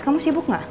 kamu sibuk gak